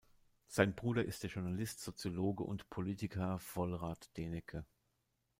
Sein Bruder ist der Journalist, Soziologe und Politiker Volrad Deneke.